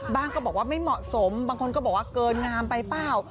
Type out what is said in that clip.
ก็บอกว่าไม่เหมาะสมบางคนก็บอกว่าเกินงามไปเปล่า